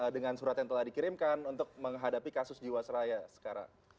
dengan surat yang telah dikirimkan untuk menghadapi kasus jiwasraya sekarang